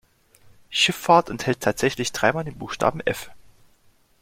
Schifffahrt enthält tatsächlich dreimal den Buchstaben F.